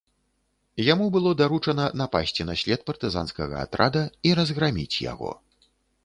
Яму было даручана напасці на след партызанскага атрада і разграміць яго.